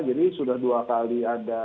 jadi sudah dua kali ada